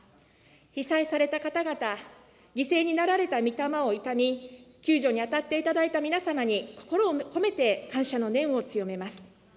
被災された方々、犠牲になられたみ霊を悼み、救助に当たっていただいた皆様に、心を込めて、感謝の念を強めます。